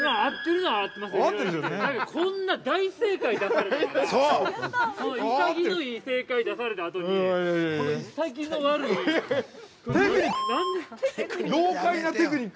だけど、こんな大正解出されたらいさぎのいい正解出されたあとにこの、いさぎの悪い◆テクニック。